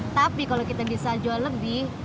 tapi kalau kita bisa jual lebih